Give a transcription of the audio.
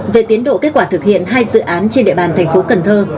về tiến độ kết quả thực hiện hai dự án trên địa bàn tp cần thơ